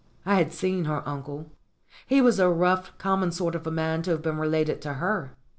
I had seen her uncle. He was a rough, common sort of a man to have been related to her.